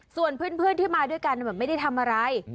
ส่วนเพื่อนที่มาด้วยกันแบบไม่ได้ทำอะไร